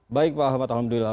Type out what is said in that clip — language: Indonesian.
baik pak ahmad alhamdulillah